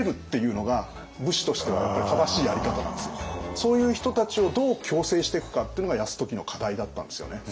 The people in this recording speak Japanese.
そういう人たちをどう矯正していくかっていうのが泰時の課題だったんですよね。